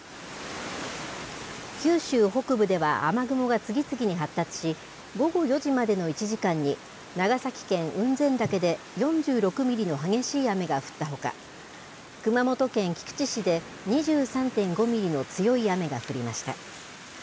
九州北部では雨雲が次々に発達し、午後４時までの１時間に、長崎県雲仙岳で４６ミリの激しい雨が降ったほか、熊本県菊池市で２３．５ミリの強い雨が降りました。